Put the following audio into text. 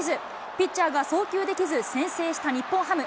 ピッチャーが送球できず、先制した日本ハム。